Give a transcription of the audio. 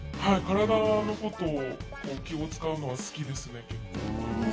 体のこと気を使うのは好きですね。